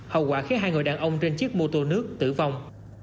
hậu quả khiến hai người đàn ông trên chiếc mô tô nước tử vong